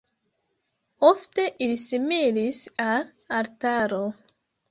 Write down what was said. Ofte ili similis al altaro.